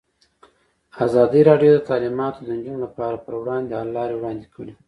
ازادي راډیو د تعلیمات د نجونو لپاره پر وړاندې د حل لارې وړاندې کړي.